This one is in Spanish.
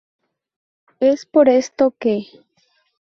Es por esto que.